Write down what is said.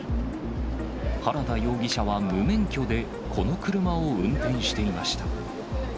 原田容疑者は無免許で、この車を運転していました。